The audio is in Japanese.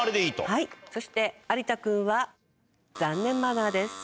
はいそして有田君は残念マナーです。